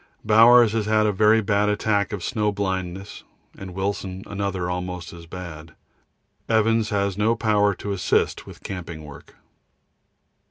Bowers has had a very bad attack of snow blindness, and Wilson another almost as bad. Evans has no power to assist with camping work.